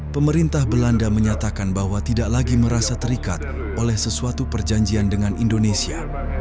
pemerintah belanda menyatakan bahwa tidak lagi merasa terikat oleh sesuatu perjanjian dengan indonesia